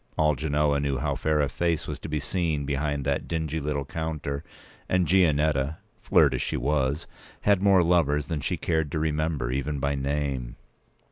All Genoa knew how fair a face was to be seen behind that dingy little p. 194counter; and Gianetta, flirt as she was, had more lovers than she cared to remember, even by name.